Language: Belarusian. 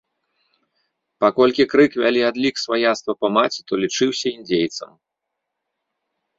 Паколькі крык вялі адлік сваяцтва па маці, то лічыўся індзейцам.